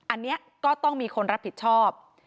อันนี้ก็ต้องมีคนรับผิดชอบ